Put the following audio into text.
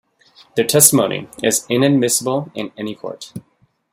Their testimony is inadmissible in any court.